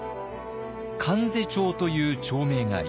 観世町という町名があります。